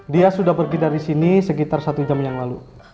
dia sudah pergi dari sini sekitar satu jam yang lalu